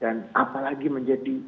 dan apalagi menjadi